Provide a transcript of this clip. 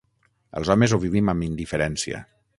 Els homes ho vivim amb indiferència.